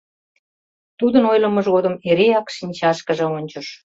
Тудын ойлымыж годым эреак шинчашкыже ончыш.